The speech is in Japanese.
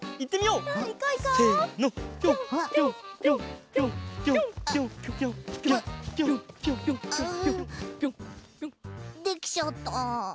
ううできちゃった。